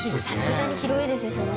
さすがに広いですしね